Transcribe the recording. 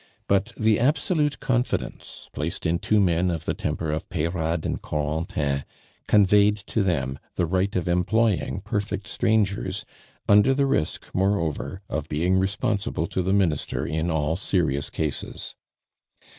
But the absolute confidence placed in two men of the temper of Peyrade and Corentin conveyed to them the right of employing perfect strangers, under the risk, moreover, of being responsible to the Minister in all serious cases.